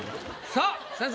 さあ先生。